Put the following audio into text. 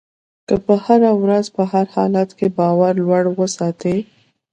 که په هره ورځ په هر حالت کې باور لوړ وساتئ.